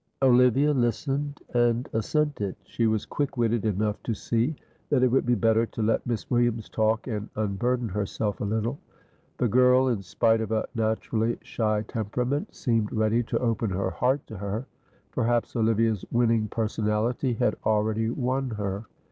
Olivia listened and assented. She was quick witted enough to see that it would be better to let Miss Williams talk and unburden herself a little. The girl, in spite of a naturally shy temperament, seemed ready to open her heart to her. Perhaps Olivia's winning personality had already won her.